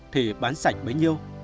thì bán sạch mấy nhiêu